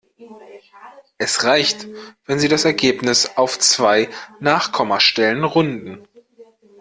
Es reicht, wenn Sie das Ergebnis auf zwei Nachkommastellen runden.